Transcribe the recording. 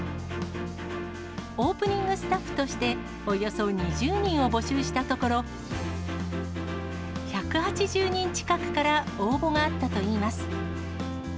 オープニングスタッフとして、およそ２０人を募集したところ、１８０人近くから応募があったといいます。